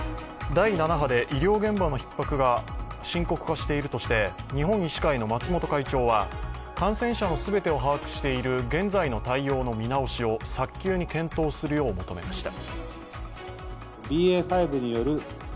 第７波で医療現場のひっ迫が深刻化しているとして、日本医師会の松本会長は感染者の全てを把握している現在の対応の見直しを早急に検討するよう求めました。